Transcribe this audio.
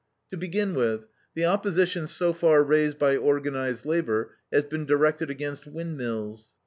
To begin with, the opposition so far raised by organized labor has been directed against windmills.